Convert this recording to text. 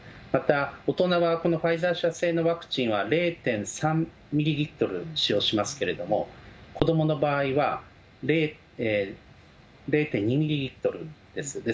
また、大人はこのファイザー社製のワクチンは、０．３ミリリットル使用しますけれども、子どもの場合は０．２ミリリットルです。